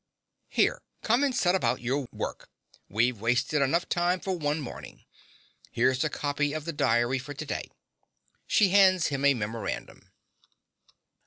Here, come and set about your work: we've wasted enough time for one morning. Here's a copy of the diary for to day. (She hands him a memorandum.)